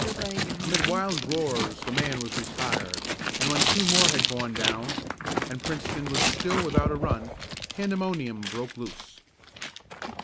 Amid wild roars the man was retired, and when two more had gone down, and Princeton was still without a run, pandemonium broke loose.